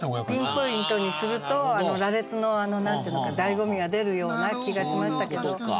ピンポイントにすると羅列の何て言うのかだいご味が出るような気がしましたけど。